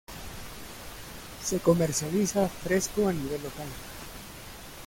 Se comercializa fresco a nivel local.